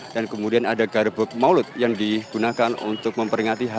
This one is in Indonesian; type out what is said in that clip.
dan kemudian ada grebek maulud yang digunakan untuk memperingati hadirat